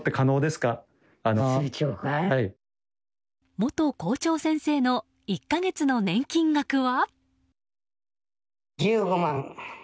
元校長先生の１か月の年金額は。